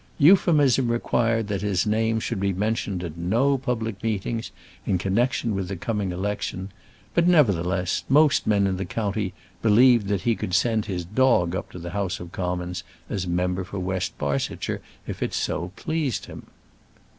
Euphemism required that his name should be mentioned at no public meetings in connection with the coming election; but, nevertheless, most men in the county believed that he could send his dog up to the House of Commons as member for West Barsetshire if it so pleased him.